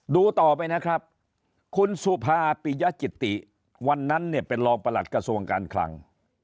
ดูต่อไปนะครับคุณสุภาปิยจิติวันนั้นเนี่ยเป็นรองประหลัดกระทรวงการคลัง